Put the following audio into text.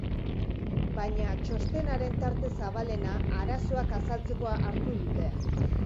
Baina txostenaren tarte zabalena arazoak azaltzeko hartu dute.